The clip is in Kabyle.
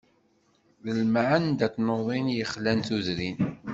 D lemɛanda n tnuḍin i yexlan tudrin.